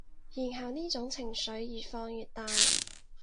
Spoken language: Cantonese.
然後呢種情緒越放越大